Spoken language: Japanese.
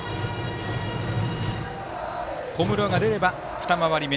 小室が出れば二回り目。